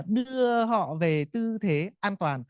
đưa họ về tư thế an toàn